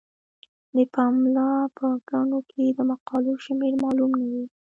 د پملا په ګڼو کې د مقالو شمیر معلوم نه وي.